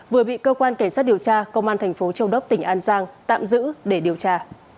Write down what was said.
vừa bị cơ quan cảnh sát điều tra công an thành phố châu đốc tỉnh an giang tạm giữ để điều tra